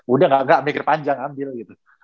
udah gak mikir panjang ambil gitu